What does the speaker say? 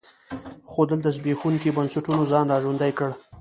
خو دلته زبېښونکي بنسټونو ځان را ژوندی کړ.